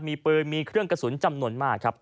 มีปืนมีเครื่องกระสุนจำนวนมากครับ